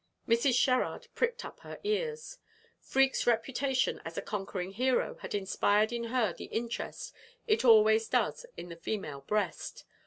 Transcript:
Mrs. Sherrard pricked up her ears. Freke's reputation as a conquering hero had inspired in her the interest it always does in the female breast.